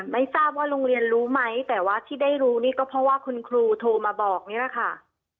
ไม่ทราบว่าโรงเรียนรู้ไหมแต่ว่าที่ได้รู้นี่ก็เพราะว่าคุณครูโทรมาบอกนี่แหละค่ะ